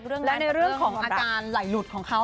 และในเรื่องของอาการไหลหลุดของเขา